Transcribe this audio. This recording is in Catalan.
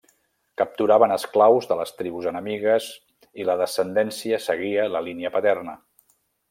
Capturaven esclaus de les tribus enemigues i la descendència seguia la línia paterna.